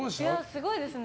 すごいですね。